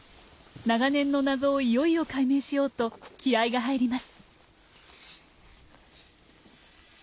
長年の謎をいよいよ解明しようと気合いが入ります。